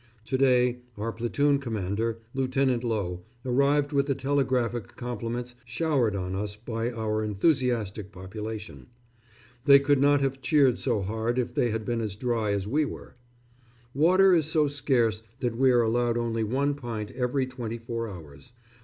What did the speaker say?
To day our platoon commander, Lieutenant Lowe, arrived with the telegraphic compliments showered on us by our enthusiastic population. They could not have cheered so hard if they had been as dry as we were. Water is so scarce that we are allowed only one pint every twenty four hours.